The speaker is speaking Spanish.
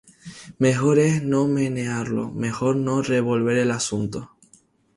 Mejor es no menearlo. Mejor no revolver el asunto.